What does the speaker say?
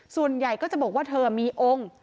ส่วนใหญ่ก็จะบอกว่าเธอมีองค์